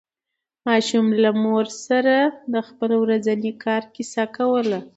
ماشوم له مور سره د خپل ورځني کار کیسه کوله